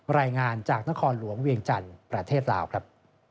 รายงานจากนครหลวงเวียงจันทร์ประเทศลาวครับ